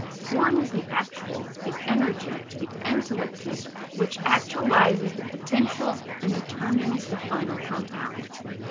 Form is the actual, the energy, the entelechy which actualises the potential and determines the final compound.